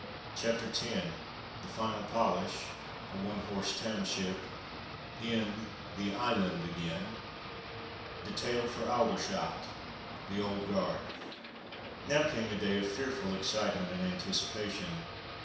CHAPTER X THE FINAL POLISH — A ONE HORSE TOWN SHIP — IN ''the island'' again — DE TAILED FOR ALDERSHOT — ^THE OLD GUARD Now came a day of fearful excitement and anticipation.